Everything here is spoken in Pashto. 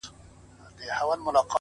ټول بکواسیات دي’